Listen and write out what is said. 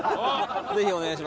ぜひお願いします。